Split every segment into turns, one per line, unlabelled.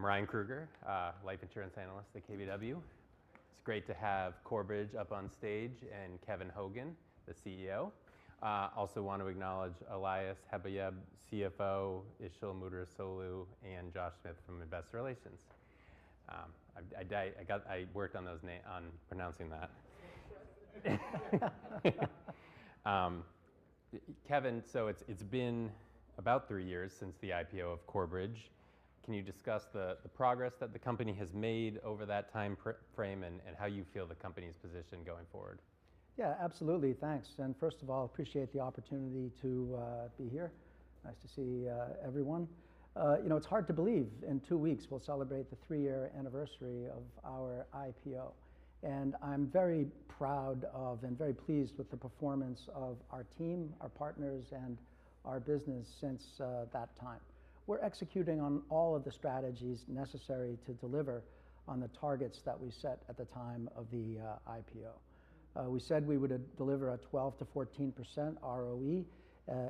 I'm Ryan Krueger, life insurance analyst at KBW. It's great to have Corebridge up on stage and Kevin Hogan, the CEO. I also want to acknowledge Elias Habayeb, CFO, Işıl Müderrisoğlu, and Josh Smith from Investor Relations. I worked on those names, on pronouncing that. Kevin, so it's been about three years since the IPO of Corebridge. Can you discuss the progress that the company has made over that time frame and how you feel the company's position going forward?
Yeah, absolutely. Thanks, and first of all, I appreciate the opportunity to be here. Nice to see everyone. You know, it's hard to believe in two weeks we'll celebrate the three-year anniversary of our IPO, and I'm very proud of and very pleased with the performance of our team, our partners, and our business since that time. We're executing on all of the strategies necessary to deliver on the targets that we set at the time of the IPO. We said we would deliver a 12%-14% ROE.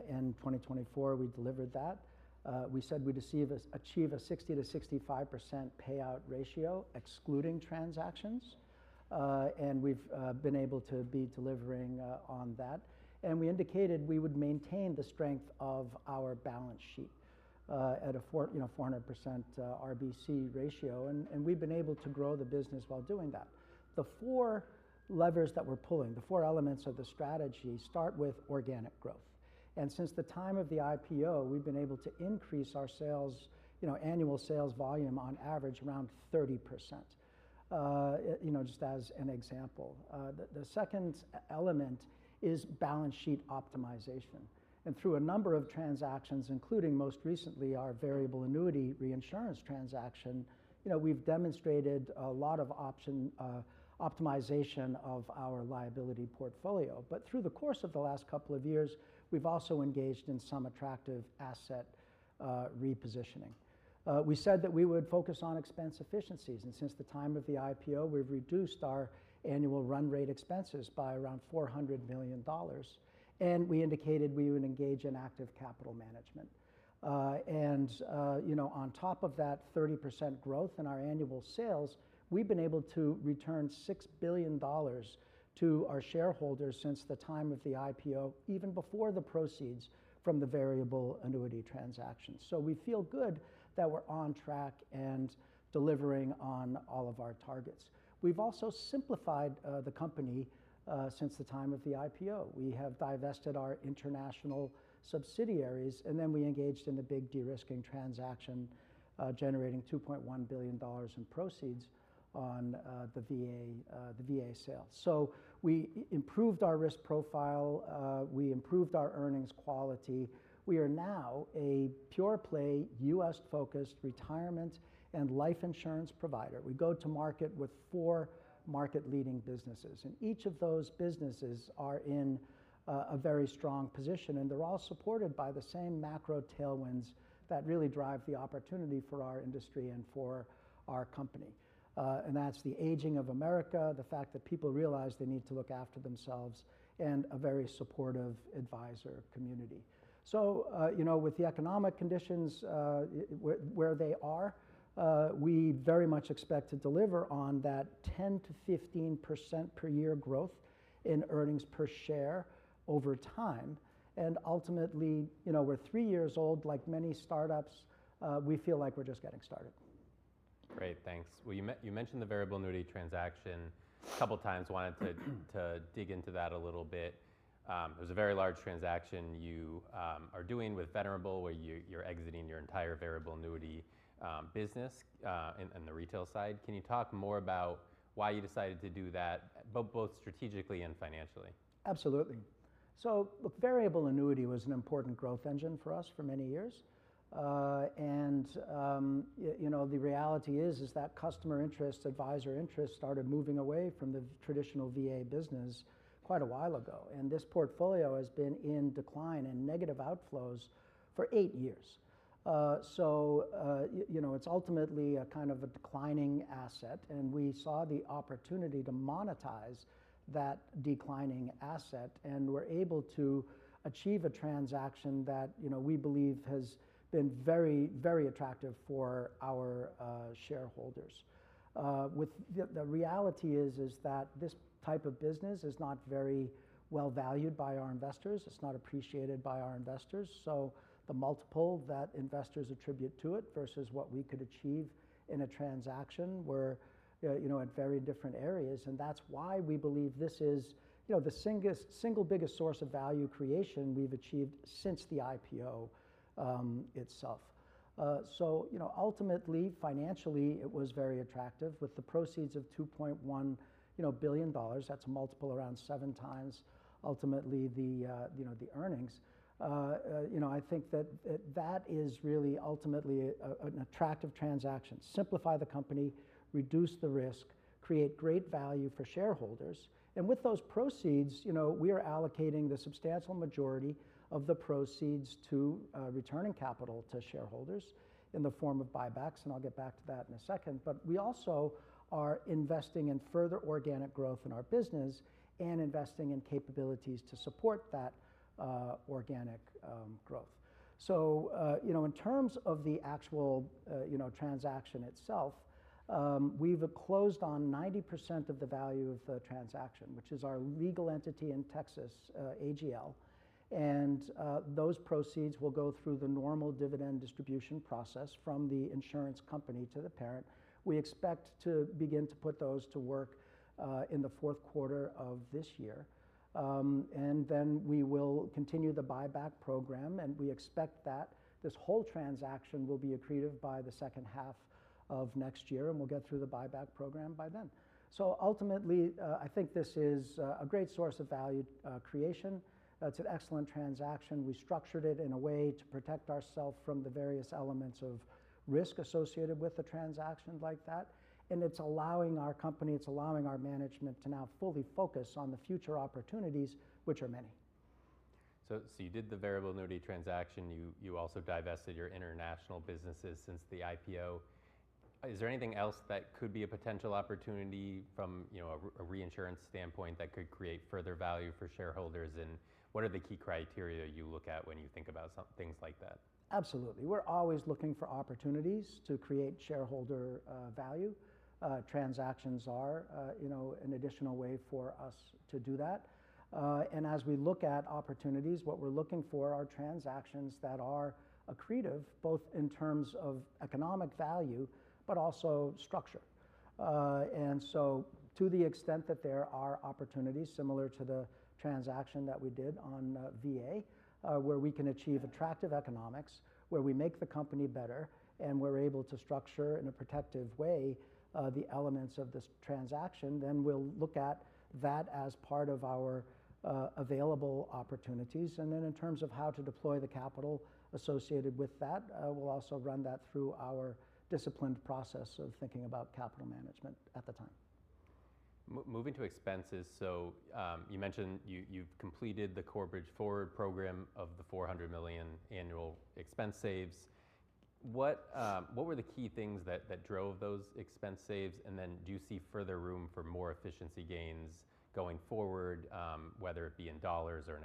In 2024, we delivered that. We said we'd achieve a 60%-65% payout ratio, excluding transactions, and we've been able to be delivering on that, and we indicated we would maintain the strength of our balance sheet at a 400% RBC ratio, and we've been able to grow the business while doing that. The four levers that we're pulling, the four elements of the strategy, start with organic growth, and since the time of the IPO, we've been able to increase our sales, you know, annual sales volume on average around 30%, you know, just as an example. The second element is balance sheet optimization, and through a number of transactions, including most recently our variable annuity reinsurance transaction, you know, we've demonstrated a lot of optimization of our liability portfolio, but through the course of the last couple of years, we've also engaged in some attractive asset repositioning. We said that we would focus on expense efficiencies, and since the time of the IPO, we've reduced our annual run rate expenses by around $400 million, and we indicated we would engage in active capital management. You know, on top of that 30% growth in our annual sales, we've been able to return $6 billion to our shareholders since the time of the IPO, even before the proceeds from the variable annuity transactions. So we feel good that we're on track and delivering on all of our targets. We've also simplified the company since the time of the IPO. We have divested our international subsidiaries, and then we engaged in the big de-risking transaction, generating $2.1 billion in proceeds on the VA sales. So we improved our risk profile. We improved our earnings quality. We are now a pure play U.S.-focused retirement and life insurance provider. We go to market with four market-leading businesses. And each of those businesses are in a very strong position. And they're all supported by the same macro tailwinds that really drive the opportunity for our industry and for our company. And that's the aging of America, the fact that people realize they need to look after themselves, and a very supportive advisor community. So, you know, with the economic conditions where they are, we very much expect to deliver on that 10%-15% per year growth in earnings per share over time. And ultimately, you know, we're three years old, like many startups. We feel like we're just getting started.
Great. Thanks. Well, you mentioned the variable annuity transaction a couple of times. I wanted to dig into that a little bit. It was a very large transaction you are doing with Venerable, where you're exiting your entire variable annuity business and the retail side. Can you talk more about why you decided to do that, both strategically and financially?
Absolutely. So, look, variable annuity was an important growth engine for us for many years. And, you know, the reality is that customer interest, advisor interest started moving away from the traditional VA business quite a while ago. And this portfolio has been in decline and negative outflows for eight years. So, you know, it's ultimately a kind of a declining asset. And we saw the opportunity to monetize that declining asset and were able to achieve a transaction that, you know, we believe has been very, very attractive for our shareholders. The reality is that this type of business is not very well valued by our investors. It's not appreciated by our investors. So the multiple that investors attribute to it versus what we could achieve in a transaction were, you know, at very different areas. And that's why we believe this is, you know, the single biggest source of value creation we've achieved since the IPO itself. So, you know, ultimately, financially, it was very attractive with the proceeds of $2.1 billion. That's a multiple around seven times, ultimately, the, you know, the earnings. You know, I think that that is really ultimately an attractive transaction. Simplify the company, reduce the risk, create great value for shareholders. And with those proceeds, you know, we are allocating the substantial majority of the proceeds to returning capital to shareholders in the form of buybacks. And I'll get back to that in a second. But we also are investing in further organic growth in our business and investing in capabilities to support that organic growth. So, you know, in terms of the actual, you know, transaction itself, we've closed on 90% of the value of the transaction, which is our legal entity in Texas, AGL. And those proceeds will go through the normal dividend distribution process from the insurance company to the parent. We expect to begin to put those to work in the fourth quarter of this year. And then we will continue the buyback program. And we expect that this whole transaction will be accretive by the second half of next year. And we'll get through the buyback program by then. So ultimately, I think this is a great source of value creation. It's an excellent transaction. We structured it in a way to protect ourselves from the various elements of risk associated with a transaction like that. It's allowing our company, it's allowing our management to now fully focus on the future opportunities, which are many.
So you did the variable annuity transaction. You also divested your international businesses since the IPO. Is there anything else that could be a potential opportunity from, you know, a reinsurance standpoint that could create further value for shareholders? And what are the key criteria you look at when you think about things like that?
Absolutely. We're always looking for opportunities to create shareholder value. Transactions are, you know, an additional way for us to do that. And as we look at opportunities, what we're looking for are transactions that are accretive, both in terms of economic value, but also structure. And so to the extent that there are opportunities similar to the transaction that we did on VA, where we can achieve attractive economics, where we make the company better, and we're able to structure in a protective way the elements of this transaction, then we'll look at that as part of our available opportunities. And then in terms of how to deploy the capital associated with that, we'll also run that through our disciplined process of thinking about capital management at the time.
Moving to expenses. So you mentioned you've completed the Corebridge Forward program of the $400 million annual expense saves. What were the key things that drove those expense saves? And then do you see further room for more efficiency gains going forward, whether it be in dollars or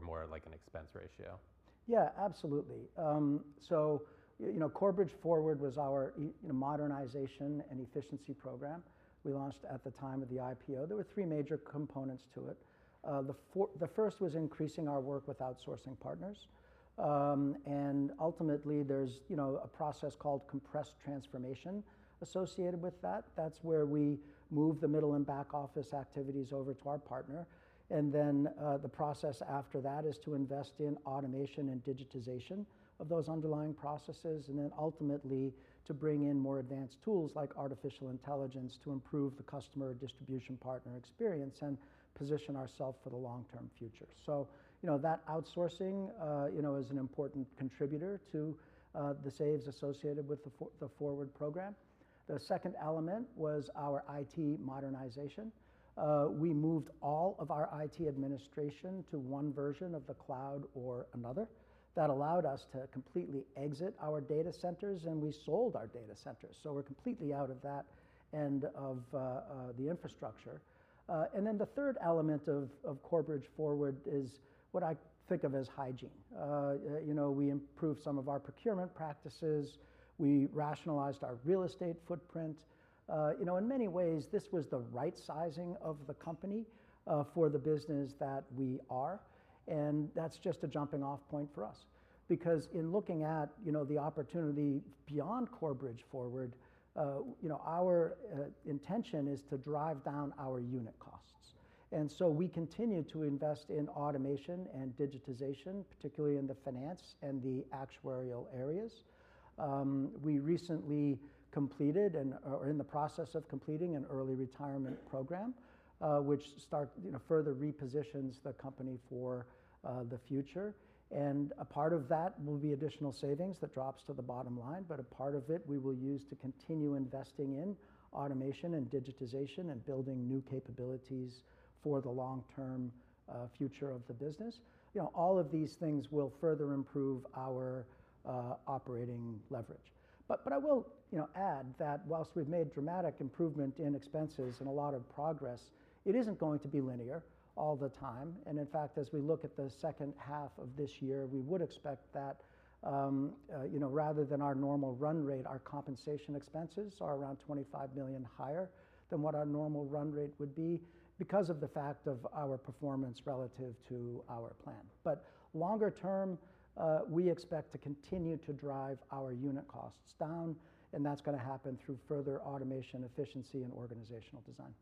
more like an expense ratio?
Yeah, absolutely. So, you know, Corebridge Forward was our, you know, modernization and efficiency program we launched at the time of the IPO. There were three major components to it. The first was increasing our work with outsourcing partners. And ultimately, there's, you know, a process called compressed transformation associated with that. That's where we move the middle and back office activities over to our partner. And then the process after that is to invest in automation and digitization of those underlying processes. And then ultimately to bring in more advanced tools like artificial intelligence to improve the customer distribution partner experience and position ourselves for the long-term future. So, you know, that outsourcing, you know, is an important contributor to the savings associated with the Forward program. The second element was our IT modernization. We moved all of our IT administration to one version of the cloud or another. That allowed us to completely exit our data centers, and we sold our data centers. So we're completely out of that and of the infrastructure. And then the third element of Corebridge Forward is what I think of as hygiene. You know, we improved some of our procurement practices. We rationalized our real estate footprint. You know, in many ways, this was the right sizing of the company for the business that we are. And that's just a jumping-off point for us. Because in looking at, you know, the opportunity beyond Corebridge Forward, you know, our intention is to drive down our unit costs. And so we continue to invest in automation and digitization, particularly in the finance and the actuarial areas. We recently completed and are in the process of completing an early retirement program, which starts, you know, further repositions the company for the future. A part of that will be additional savings that drops to the bottom line. A part of it we will use to continue investing in automation and digitization and building new capabilities for the long-term future of the business. You know, all of these things will further improve our operating leverage. I will, you know, add that while we've made dramatic improvement in expenses and a lot of progress, it isn't going to be linear all the time. In fact, as we look at the second half of this year, we would expect that, you know, rather than our normal run rate, our compensation expenses are around $25 million higher than what our normal run rate would be because of the fact of our performance relative to our plan. Longer term, we expect to continue to drive our unit costs down. That's going to happen through further automation, efficiency, and organizational design.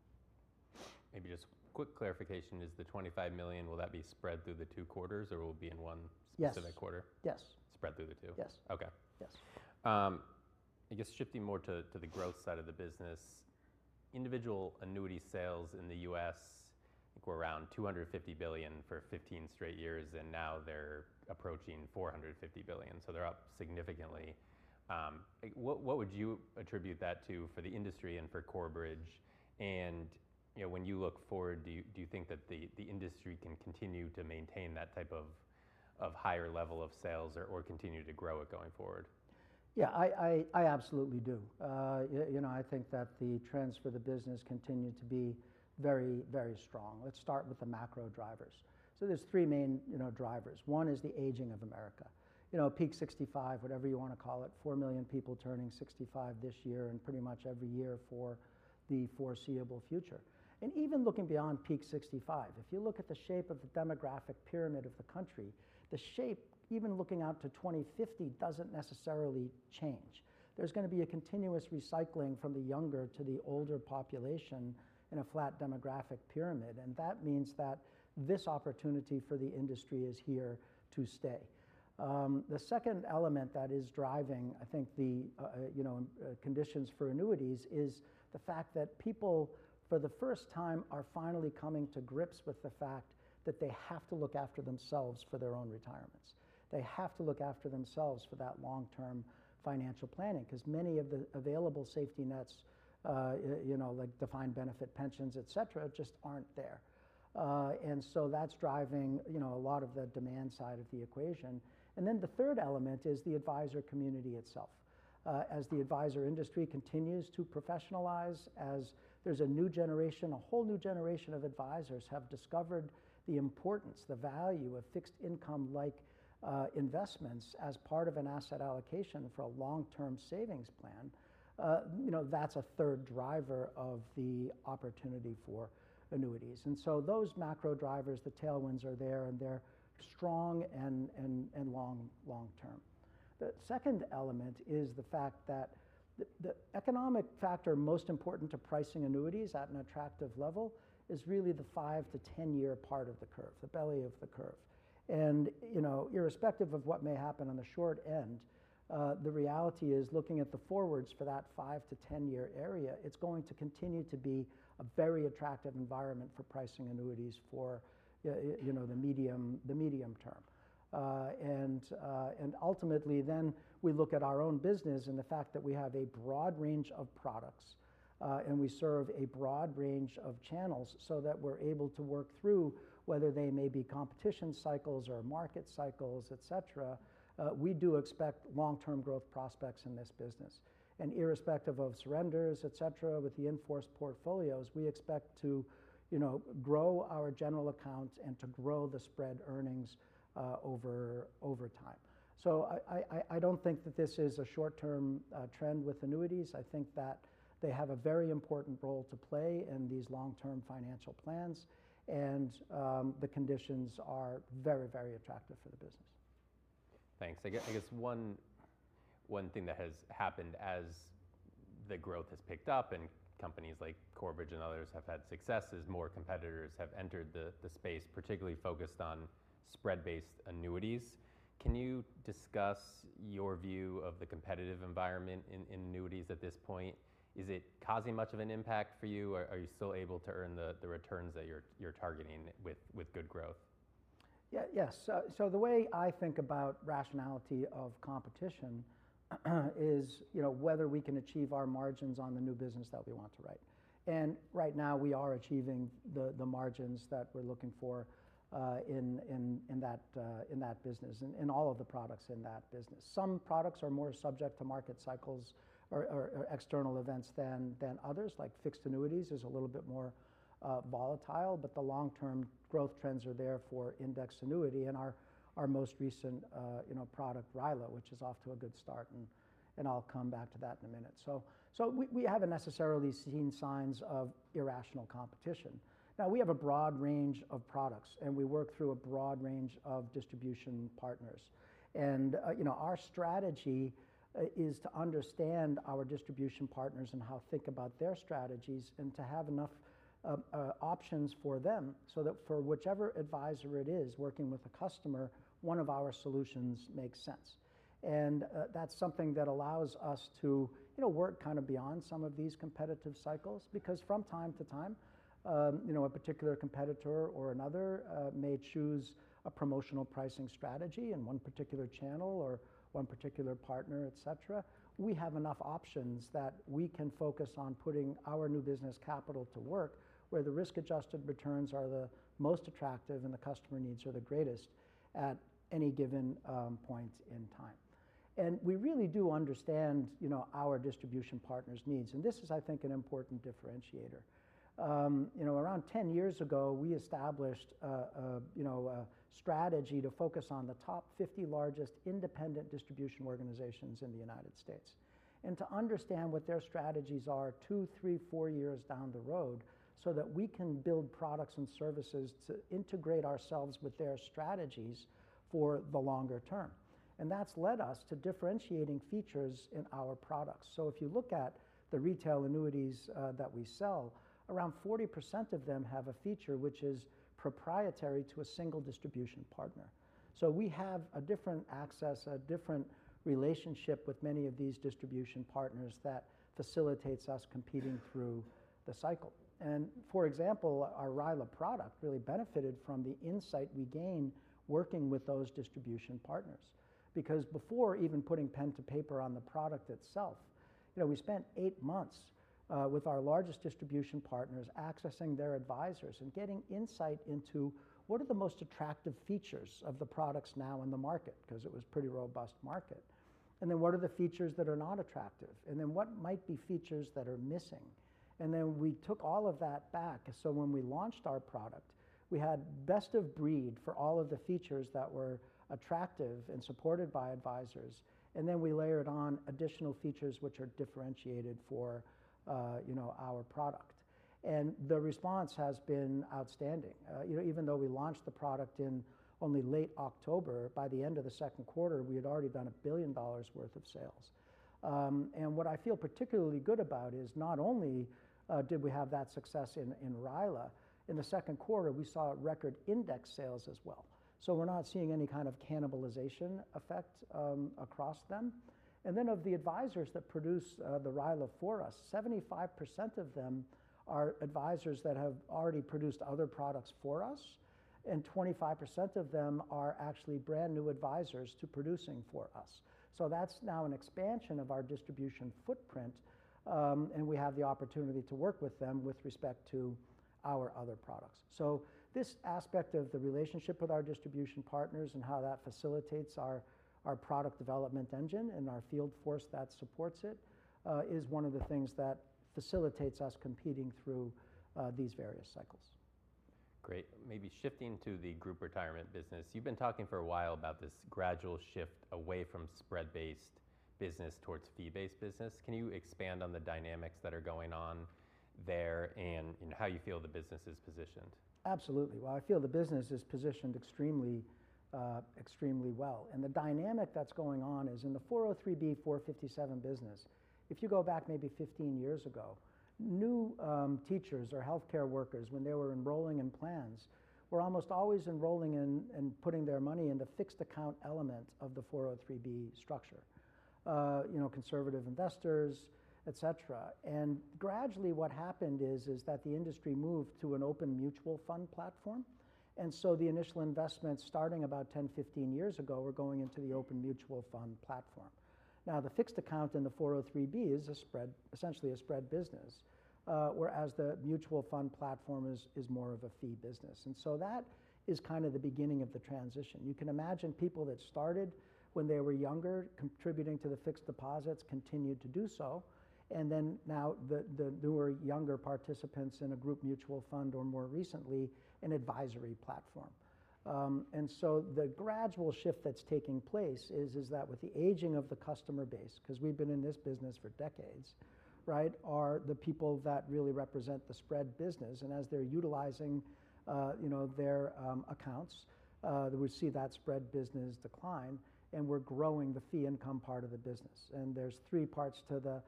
Maybe just a quick clarification: is the $25 million will that be spread through the two quarters or will it be in one specific quarter?
Yes. Yes.
Spread through the two?
Yes.
Okay. I guess shifting more to the growth side of the business, individual annuity sales in the U.S. I think were around $250 billion for 15 straight years. And now they're approaching $450 billion. So they're up significantly. What would you attribute that to for the industry and for Corebridge? And, you know, when you look forward, do you think that the industry can continue to maintain that type of higher level of sales or continue to grow it going forward?
Yeah, I absolutely do. You know, I think that the trends for the business continue to be very, very strong. Let's start with the macro drivers. So there's three main, you know, drivers. One is the aging of America. You know, Peak 65, whatever you want to call it, 4 million people turning 65 this year and pretty much every year for the foreseeable future. And even looking beyond Peak 65, if you look at the shape of the demographic pyramid of the country, the shape, even looking out to 2050, doesn't necessarily change. There's going to be a continuous recycling from the younger to the older population in a flat demographic pyramid. And that means that this opportunity for the industry is here to stay. The second element that is driving, I think, the, you know, conditions for annuities is the fact that people, for the first time, are finally coming to grips with the fact that they have to look after themselves for their own retirements. They have to look after themselves for that long-term financial planning because many of the available safety nets, you know, like defined benefit pensions, et cetera, just aren't there. And so that's driving, you know, a lot of the demand side of the equation. And then the third element is the advisor community itself. As the advisor industry continues to professionalize, as there's a new generation, a whole new generation of advisors have discovered the importance, the value of fixed income-like investments as part of an asset allocation for a long-term savings plan. You know, that's a third driver of the opportunity for annuities. And so those macro drivers, the tailwinds are there, and they're strong and long-term. The second element is the fact that the economic factor most important to pricing annuities at an attractive level is really the five to 10-year part of the curve, the belly of the curve. And, you know, irrespective of what may happen on the short end, the reality is looking at the forwards for that five to 10-year area, it's going to continue to be a very attractive environment for pricing annuities for, you know, the medium term. And ultimately then we look at our own business and the fact that we have a broad range of products and we serve a broad range of channels so that we're able to work through whether they may be competition cycles or market cycles, et cetera, we do expect long-term growth prospects in this business. Irrespective of surrenders, et cetera, with the in-force portfolios, we expect to, you know, grow our general account and to grow the spread earnings over time. So I don't think that this is a short-term trend with annuities. I think that they have a very important role to play in these long-term financial plans. The conditions are very, very attractive for the business.
Thanks. I guess one thing that has happened as the growth has picked up and companies like Corebridge and others have had success is more competitors have entered the space, particularly focused on spread-based annuities. Can you discuss your view of the competitive environment in annuities at this point? Is it causing much of an impact for you? Are you still able to earn the returns that you're targeting with good growth?
Yeah, yes. So the way I think about rationality of competition is, you know, whether we can achieve our margins on the new business that we want to write. And right now we are achieving the margins that we're looking for in that business and all of the products in that business. Some products are more subject to market cycles or external events than others. Like fixed annuities is a little bit more volatile. But the long-term growth trends are there for index annuity and our most recent, you know, product, RILA, which is off to a good start. And I'll come back to that in a minute. So we haven't necessarily seen signs of irrational competition. Now we have a broad range of products, and we work through a broad range of distribution partners. You know, our strategy is to understand our distribution partners and how to think about their strategies and to have enough options for them so that for whichever advisor it is working with a customer, one of our solutions makes sense, and that's something that allows us to, you know, work kind of beyond some of these competitive cycles. Because from time to time, you know, a particular competitor or another may choose a promotional pricing strategy in one particular channel or one particular partner, et cetera. We have enough options that we can focus on putting our new business capital to work where the risk-adjusted returns are the most attractive and the customer needs are the greatest at any given point in time, and we really do understand, you know, our distribution partners' needs, and this is, I think, an important differentiator. You know, around ten years ago, we established, you know, a strategy to focus on the top 50 largest independent distribution organizations in the United States. And to understand what their strategies are two, three, four years down the road so that we can build products and services to integrate ourselves with their strategies for the longer term. And that's led us to differentiating features in our products. So if you look at the retail annuities that we sell, around 40% of them have a feature which is proprietary to a single distribution partner. So we have a different access, a different relationship with many of these distribution partners that facilitates us competing through the cycle. And for example, our RILA product really benefited from the insight we gained working with those distribution partners. Because before even putting pen to paper on the product itself, you know, we spent eight months with our largest distribution partners accessing their advisors and getting insight into what are the most attractive features of the products now in the market because it was a pretty robust market, and then what are the features that are not attractive? And then what might be features that are missing? And then we took all of that back, so when we launched our product, we had best of breed for all of the features that were attractive and supported by advisors, and then we layered on additional features which are differentiated for, you know, our product, and the response has been outstanding. You know, even though we launched the product in only late October, by the end of the second quarter, we had already done $1 billion worth of sales. And what I feel particularly good about is not only did we have that success in RILA, in the second quarter, we saw record index sales as well. So we're not seeing any kind of cannibalization effect across them. And then of the advisors that produce the RILA for us, 75% of them are advisors that have already produced other products for us. And 25% of them are actually brand new advisors to producing for us. So that's now an expansion of our distribution footprint. And we have the opportunity to work with them with respect to our other products. So this aspect of the relationship with our distribution partners and how that facilitates our product development engine and our field force that supports it is one of the things that facilitates us competing through these various cycles.
Great. Maybe shifting to the group retirement business. You've been talking for a while about this gradual shift away from spread-based business towards fee-based business. Can you expand on the dynamics that are going on there and how you feel the business is positioned?
Absolutely. Well, I feel the business is positioned extremely, extremely well. And the dynamic that's going on is in the 403(b) 457 business. If you go back maybe 15 years ago, new teachers or healthcare workers, when they were enrolling in plans, were almost always enrolling in and putting their money in the fixed account element of the 403(b) structure. You know, conservative investors, et cetera. And gradually what happened is that the industry moved to an open mutual fund platform. And so the initial investments starting about 10, 15 years ago were going into the open mutual fund platform. Now the fixed account in the 403(b) is essentially a spread business, whereas the mutual fund platform is more of a fee business. And so that is kind of the beginning of the transition. You can imagine people that started when they were younger contributing to the fixed deposits continued to do so and then now the newer younger participants in a group mutual fund or more recently an advisory platform and so the gradual shift that's taking place is that with the aging of the customer base, because we've been in this business for decades, right, are the people that really represent the spread business and as they're utilizing, you know, their accounts, we see that spread business decline and we're growing the fee income part of the business and there's three parts to the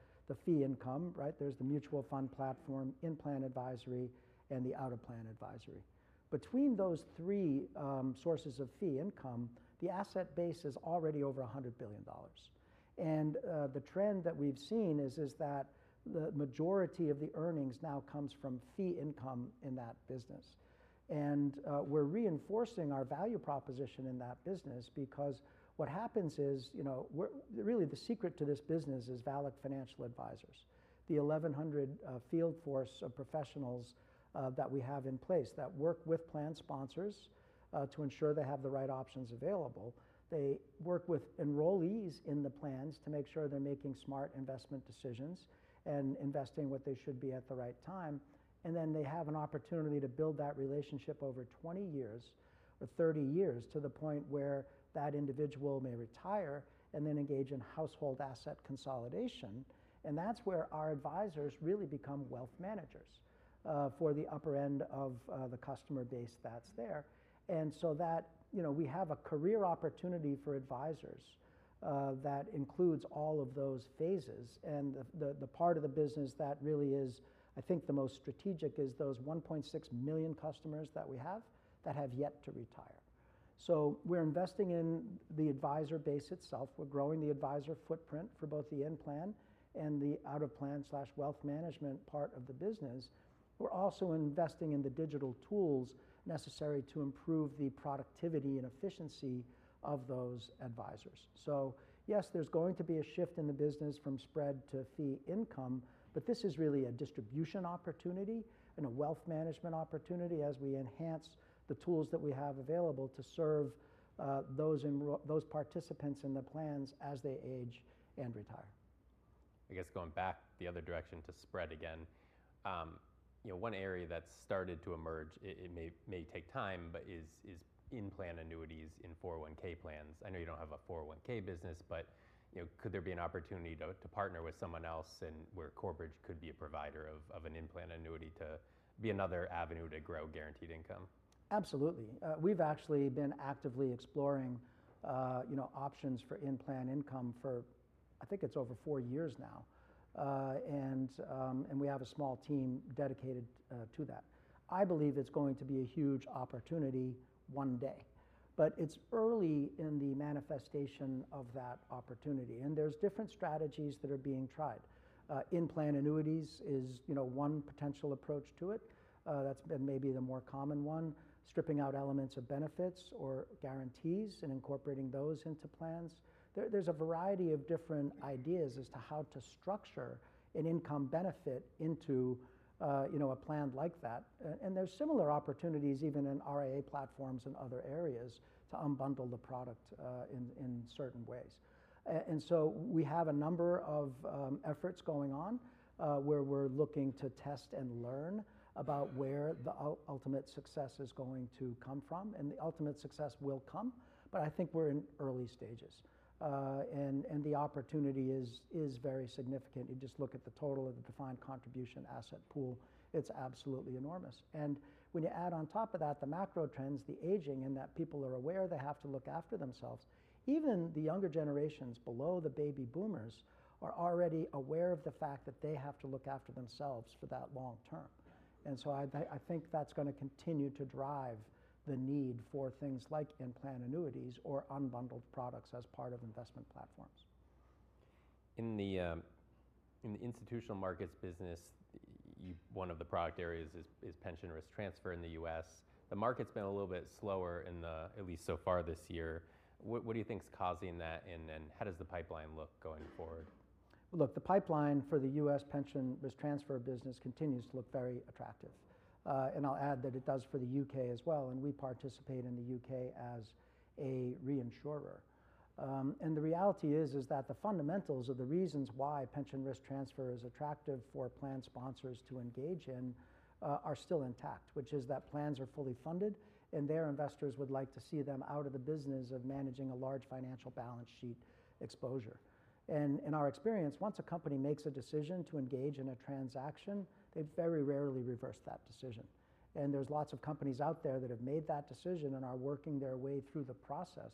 fee income, right? There's the mutual fund platform, in-plan advisory, and the out-of-plan advisory. Between those three sources of fee income, the asset base is already over $100 billion. The trend that we've seen is that the majority of the earnings now comes from fee income in that business. We're reinforcing our value proposition in that business because what happens is, you know, really the secret to this business is vital financial advisors, the 1,100 field force of professionals that we have in place that work with plan sponsors to ensure they have the right options available. They work with enrollees in the plans to make sure they're making smart investment decisions and investing what they should be at the right time. They have an opportunity to build that relationship over 20 years or 30 years to the point where that individual may retire and then engage in household asset consolidation. That's where our advisors really become wealth managers for the upper end of the customer base that's there. And so that, you know, we have a career opportunity for advisors that includes all of those phases. And the part of the business that really is, I think, the most strategic is those 1.6 million customers that we have that have yet to retire. So we're investing in the advisor base itself. We're growing the advisor footprint for both the in-plan and the out-of-plan slash wealth management part of the business. We're also investing in the digital tools necessary to improve the productivity and efficiency of those advisors. So yes, there's going to be a shift in the business from spread to fee income, but this is really a distribution opportunity and a wealth management opportunity as we enhance the tools that we have available to serve those participants in the plans as they age and retire.
I guess going back the other direction to spread again, you know, one area that's started to emerge, it may take time, but is in-plan annuities in 401(k) plans. I know you don't have a 401(k) business, but, you know, could there be an opportunity to partner with someone else and where Corebridge could be a provider of an in-plan annuity to be another avenue to grow guaranteed income?
Absolutely. We've actually been actively exploring, you know, options for in-plan income for, I think it's over four years now. And we have a small team dedicated to that. I believe it's going to be a huge opportunity one day. But it's early in the manifestation of that opportunity. And there's different strategies that are being tried. In-plan annuities is, you know, one potential approach to it. That's been maybe the more common one, stripping out elements of benefits or guarantees and incorporating those into plans. There's a variety of different ideas as to how to structure an income benefit into, you know, a plan like that. And there's similar opportunities even in RIA platforms and other areas to unbundle the product in certain ways. And so we have a number of efforts going on where we're looking to test and learn about where the ultimate success is going to come from. And the ultimate success will come. But I think we're in early stages. And the opportunity is very significant. You just look at the total of the defined contribution asset pool, it's absolutely enormous. And when you add on top of that the macro trends, the aging and that people are aware they have to look after themselves, even the younger generations below the baby boomers are already aware of the fact that they have to look after themselves for that long term. And so I think that's going to continue to drive the need for things like in-plan annuities or unbundled products as part of investment platforms.
In the institutional markets business, one of the product areas is pension risk transfer in the U.S. The market's been a little bit slower in the, at least so far this year. What do you think's causing that? And then how does the pipeline look going forward?
Look, the pipeline for the U.S. pension risk transfer business continues to look very attractive. I'll add that it does for the U.K. as well. We participate in the U.K. as a reinsurer. The reality is that the fundamentals of the reasons why pension risk transfer is attractive for plan sponsors to engage in are still intact, which is that plans are fully funded and their investors would like to see them out of the business of managing a large financial balance sheet exposure. In our experience, once a company makes a decision to engage in a transaction, they very rarely reverse that decision. There's lots of companies out there that have made that decision and are working their way through the process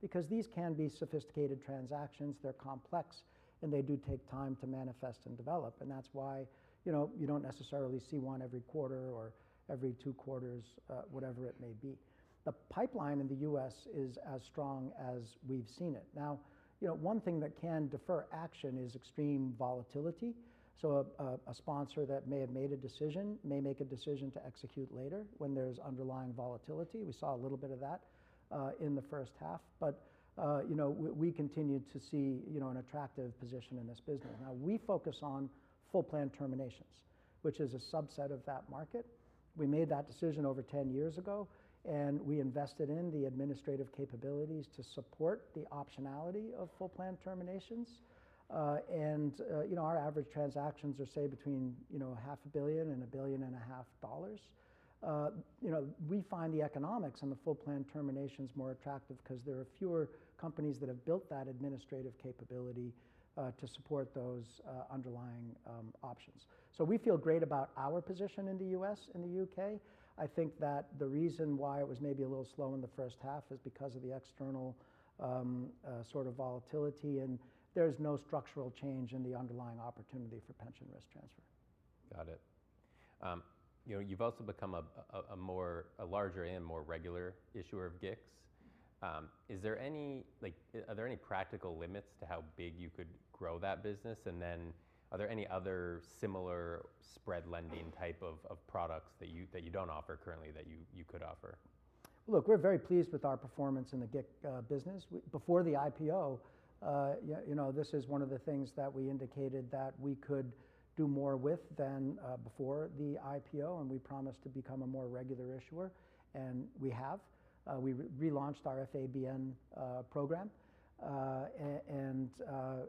because these can be sophisticated transactions. They're complex and they do take time to manifest and develop. And that's why, you know, you don't necessarily see one every quarter or every two quarters, whatever it may be. The pipeline in the U.S. is as strong as we've seen it. Now, you know, one thing that can defer action is extreme volatility. So a sponsor that may have made a decision may make a decision to execute later when there's underlying volatility. We saw a little bit of that in the first half. But, you know, we continue to see, you know, an attractive position in this business. Now we focus on full plan terminations, which is a subset of that market. We made that decision over ten years ago and we invested in the administrative capabilities to support the optionality of full plan terminations. And, you know, our average transactions are say between, you know, $500 million and $1.5 billion. You know, we find the economics in the full plan terminations more attractive because there are fewer companies that have built that administrative capability to support those underlying options. So we feel great about our position in the U.S. and the U.K. I think that the reason why it was maybe a little slow in the first half is because of the external sort of volatility and there's no structural change in the underlying opportunity for pension risk transfer.
Got it. You know, you've also become a larger and more regular issuer of GICs. Are there any, like, practical limits to how big you could grow that business? And then are there any other similar spread lending type of products that you don't offer currently that you could offer? Look, we're very pleased with our performance in the GIC business. Before the IPO, you know, this is one of the things that we indicated that we could do more with than before the IPO, and we promised to become a more regular issuer, and we have. We relaunched our FABN program, and,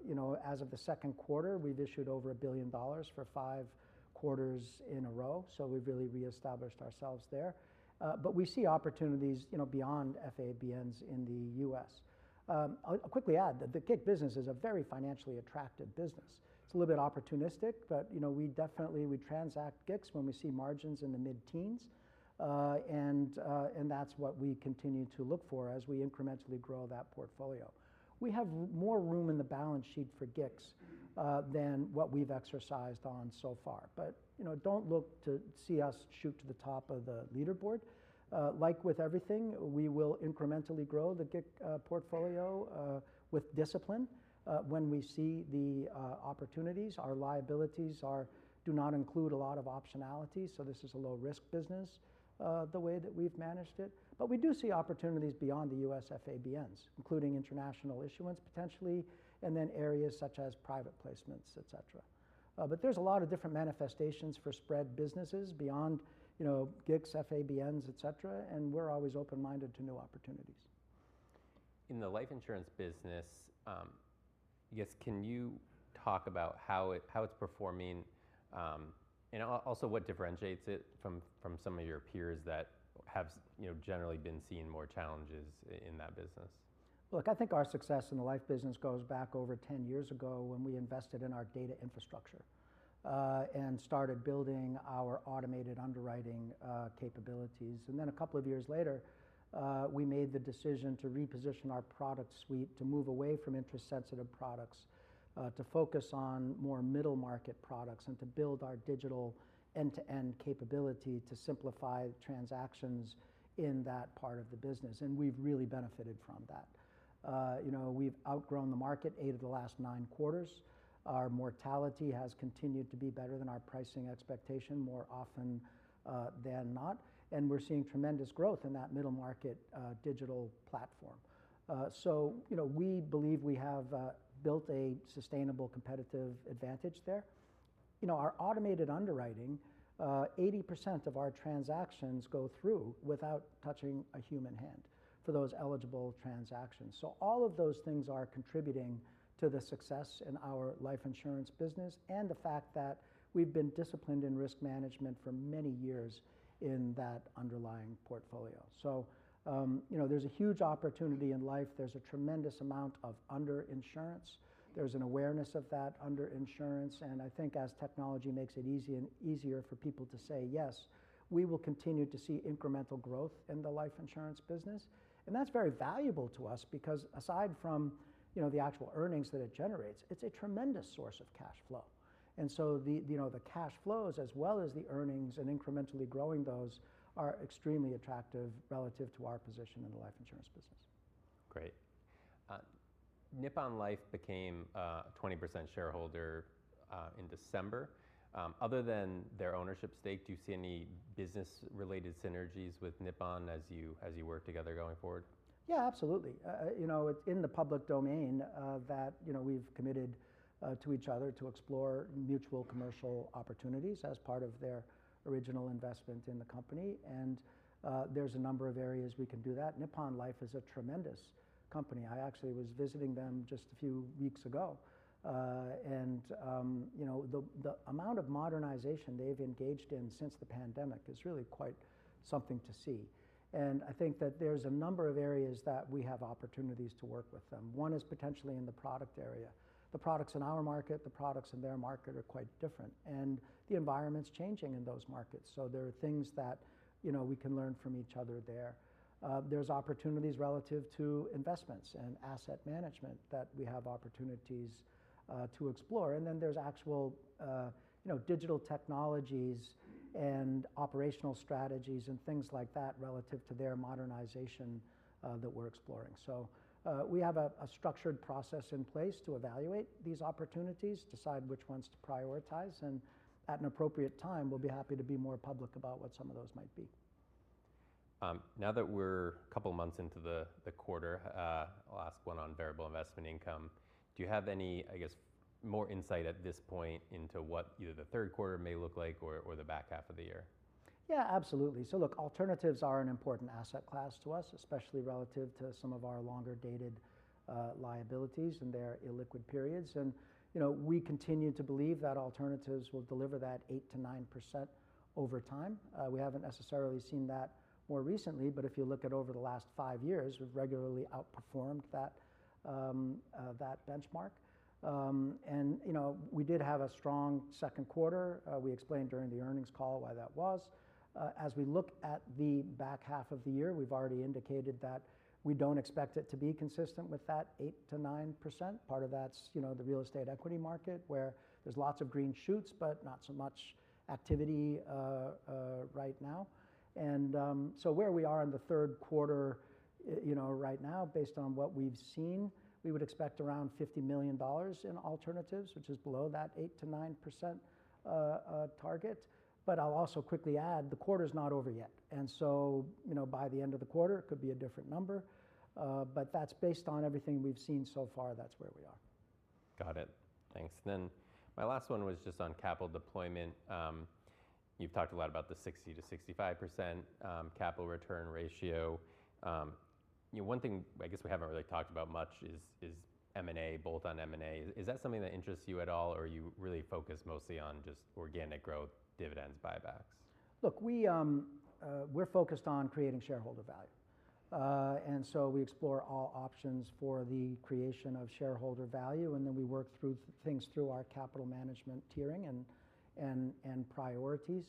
you know, as of the second quarter, we've issued over $1 billion for five quarters in a row, so we've really reestablished ourselves there, but we see opportunities, you know, beyond FABNs in the U.S. I'll quickly add that the GIC business is a very financially attractive business. It's a little bit opportunistic, but, you know, we definitely, we transact GICs when we see margins in the mid-teens, and that's what we continue to look for as we incrementally grow that portfolio. We have more room in the balance sheet for GICs than what we've exercised on so far. But, you know, don't look to see us shoot to the top of the leaderboard. Like with everything, we will incrementally grow the GIC portfolio with discipline when we see the opportunities. Our liabilities do not include a lot of optionality. So this is a low-risk business the way that we've managed it. But we do see opportunities beyond the U.S. FABNs, including international issuance potentially, and then areas such as private placements, et cetera. But there's a lot of different manifestations for spread businesses beyond, you know, GICs, FABNs, et cetera. And we're always open-minded to new opportunities. In the life insurance business, I guess can you talk about how it's performing and also what differentiates it from some of your peers that have, you know, generally been seeing more challenges in that business?
Look, I think our success in the life business goes back over ten years ago when we invested in our data infrastructure and started building our automated underwriting capabilities. And then a couple of years later, we made the decision to reposition our product suite, to move away from interest-sensitive products, to focus on more middle market products and to build our digital end-to-end capability to simplify transactions in that part of the business. And we've really benefited from that. You know, we've outgrown the market eight of the last nine quarters. Our mortality has continued to be better than our pricing expectation, more often than not. And we're seeing tremendous growth in that middle market digital platform. So, you know, we believe we have built a sustainable competitive advantage there. You know, our automated underwriting, 80% of our transactions go through without touching a human hand for those eligible transactions. So all of those things are contributing to the success in our life insurance business and the fact that we've been disciplined in risk management for many years in that underlying portfolio. So, you know, there's a huge opportunity in life. There's a tremendous amount of underinsurance. There's an awareness of that underinsurance. And I think as technology makes it easier for people to say yes, we will continue to see incremental growth in the life insurance business. And that's very valuable to us because aside from, you know, the actual earnings that it generates, it's a tremendous source of cash flow. And so the, you know, the cash flows as well as the earnings and incrementally growing those are extremely attractive relative to our position in the life insurance business.
Great. Nippon Life became a 20% shareholder in December. Other than their ownership stake, do you see any business-related synergies with Nippon as you work together going forward?
Yeah, absolutely. You know, it's in the public domain that, you know, we've committed to each other to explore mutual commercial opportunities as part of their original investment in the company. And there's a number of areas we can do that. Nippon Life is a tremendous company. I actually was visiting them just a few weeks ago. And, you know, the amount of modernization they've engaged in since the pandemic is really quite something to see. And I think that there's a number of areas that we have opportunities to work with them. One is potentially in the product area. The products in our market, the products in their market are quite different. And the environment's changing in those markets. So there are things that, you know, we can learn from each other there. There's opportunities relative to investments and asset management that we have opportunities to explore. And then there's actually, you know, digital technologies and operational strategies and things like that relative to their modernization that we're exploring. So we have a structured process in place to evaluate these opportunities, decide which ones to prioritize. And at an appropriate time, we'll be happy to be more public about what some of those might be.
Now that we're a couple of months into the quarter, I'll ask one on variable investment income. Do you have any, I guess, more insight at this point into what either the third quarter may look like or the back half of the year?
Yeah, absolutely. So look, alternatives are an important asset class to us, especially relative to some of our longer dated liabilities and their illiquid periods, and you know, we continue to believe that alternatives will deliver that 8%-9% over time. We haven't necessarily seen that more recently, but if you look at over the last five years, we've regularly outperformed that benchmark, and you know, we did have a strong second quarter. We explained during the earnings call why that was. As we look at the back half of the year, we've already indicated that we don't expect it to be consistent with that 8%-9%. Part of that's, you know, the real estate equity market where there's lots of green shoots, but not so much activity right now. And so where we are in the third quarter, you know, right now, based on what we've seen, we would expect around $50 million in alternatives, which is below that 8%-9% target. But I'll also quickly add the quarter's not over yet. And so, you know, by the end of the quarter, it could be a different number. But that's based on everything we've seen so far. That's where we are.
Got it. Thanks. Then my last one was just on capital deployment. You've talked a lot about the 60%-65% capital return ratio. You know, one thing I guess we haven't really talked about much is M&A, Bolt-on M&A. Is that something that interests you at all or are you really focused mostly on just organic growth, dividends, buybacks?
Look, we're focused on creating shareholder value, and so we explore all options for the creation of shareholder value, and then we work through things through our capital management tiering and priorities.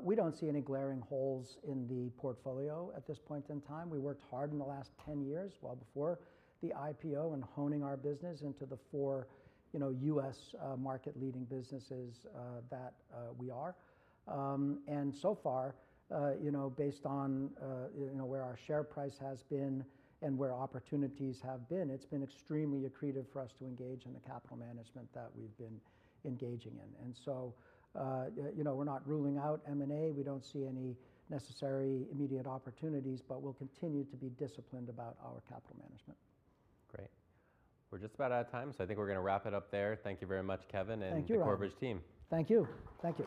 We don't see any glaring holes in the portfolio at this point in time. We worked hard in the last 10 years, well before the IPO, in honing our business into the four, you know, U.S. market-leading businesses that we are, and so far, you know, based on, you know, where our share price has been and where opportunities have been, it's been extremely accretive for us to engage in the capital management that we've been engaging in, and so, you know, we're not ruling out M&A. We don't see any necessary immediate opportunities, but we'll continue to be disciplined about our capital management.
Great. We're just about out of time. So I think we're going to wrap it up there. Thank you very much, Kevin, and the Corebridge team.
Thank you. Thank you.